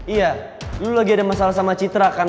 iya dulu lagi ada masalah sama citra kan